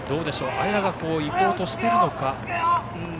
綾が行こうとしているのか？